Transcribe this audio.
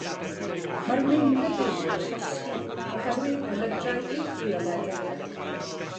Mae'r meinwe byw yn llosgi oherwydd pelydrau uwchfioled yr haul.